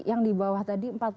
yang di bawah tadi empat puluh dua